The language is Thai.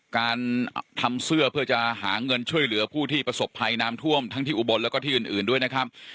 การทำเสื้อเพื่อจะหาเงินช่วยเหลือผู้ที่ประสบภัยน้ำท่วมทั้งที่อุบลแล้วก็ที่อื่นด้วยนะครับ